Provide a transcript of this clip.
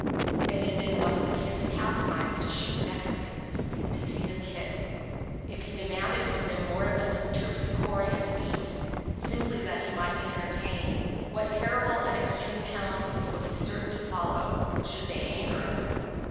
It had been one of the Kid's pastimes to shoot Mexicans "to see them kick": if he demanded from them moribund Terpsichorean feats, simply that he might be entertained, what terrible and extreme penalties would be certain to follow should they anger him!